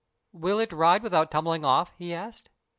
"Will it ride without tumbling off?" he asked.